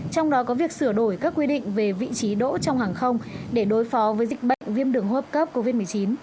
trong đó có việc sửa đổi các quy định về vị trí đỗ trong hàng không để đối phó với dịch bệnh viêm đường hô hấp cấp covid một mươi chín